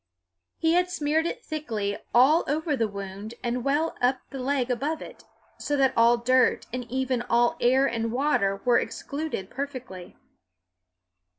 He had smeared it thickly all over the wound and well up the leg above it, so that all dirt and even all air and water were excluded perfectly.